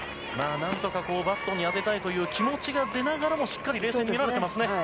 何とか、バットに当てたいという気持ちがしっかり冷静に見れますね。